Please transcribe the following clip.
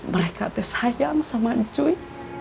mereka ada sayang sama cuy